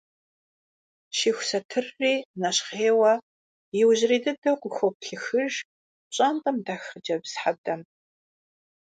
Щиху сатырри нэщхъейуэ иужьрей дыдэу къыхуоплъыхыж пщӏантӏэм дах хъыджэбз хьэдэм.